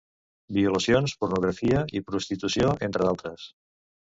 Violacions, pornografia i prostitució, entre d'altres.